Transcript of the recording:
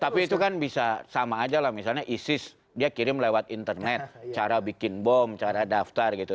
tapi itu kan bisa sama aja lah misalnya isis dia kirim lewat internet cara bikin bom cara daftar gitu